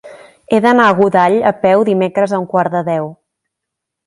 He d'anar a Godall a peu dimecres a un quart de deu.